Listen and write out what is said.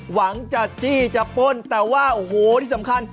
หวังจะจี้จะป้นแต่ว่าโอ้โหที่สำคัญ